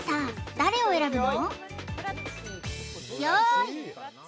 誰を選ぶの？